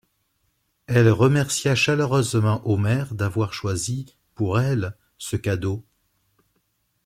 Elle remercia chaleureusement Omer d'avoir choisi, pour elle, ce cadeau.